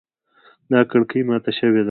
دا کړکۍ ماته شوې ده